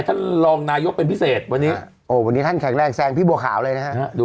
ท่านรองนายกเป็นพิเศษวันนี้โอ้วันนี้วันนี้ท่านแข็งแรงแซงพี่บัวขาวเลยนะฮะ